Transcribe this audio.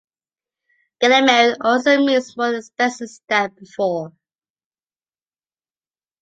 Getting married also means more expenses than before.